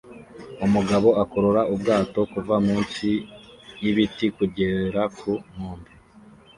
umugabo akurura ubwato kuva munsi yibiti kugera ku nkombe